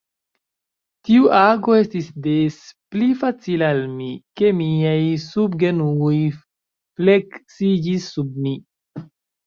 Tiu ago estis des pli facila al mi, ke miaj subgenuoj fleksiĝis sub mi.